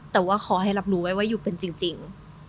แต่ว่าขอให้รับรู้ไว้ว่าอยู่เป็นจริง